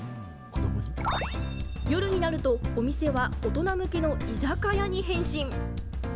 夜になると、お店は大人向けの居酒屋に変身。